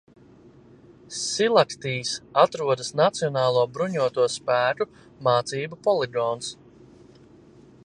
Silaktīs atrodas Nacionālo bruņoto spēku mācību poligons.